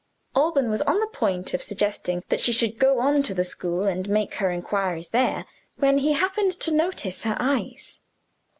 Alban was on the point of suggesting that she should go on to the school, and make her inquiries there when he happened to notice her eyes.